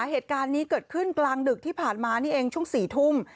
เหตุการณ์นี้เกิดขึ้นกลางดึกที่ผ่านมานี่เองช่วง๔ทุ่ม